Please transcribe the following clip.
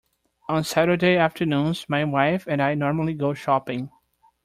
On Saturday afternoons my wife and I normally go shopping